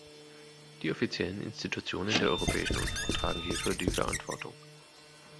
Die offiziellen Institutionen der Europäischen Union tragen hierfür die Verantwortung.